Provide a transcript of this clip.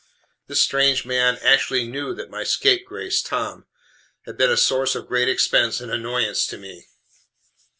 (This strange man actually knew that my scapegrace Tom had been a source of great expense and annoyance to me.)